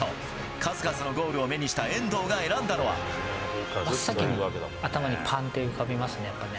数々のゴールを目にした遠藤が選真っ先に頭にぱんって浮かびますね、やっぱりね。